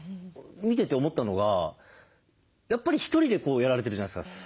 見てて思ったのがやっぱりひとりでやられてるじゃないですか。